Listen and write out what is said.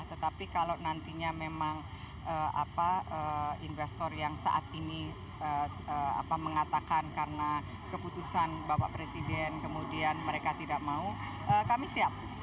tetapi kalau nantinya memang investor yang saat ini mengatakan karena keputusan bapak presiden kemudian mereka tidak mau kami siap